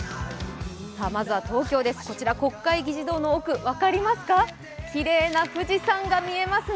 まずは東京です、国会議事堂の奥、，分かりますか、きれいな富士山が見えますね。